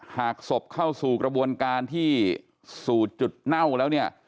หากศพเข้าสู่กระบวนการที่สู่จุดเน่าแล้วเนี่ย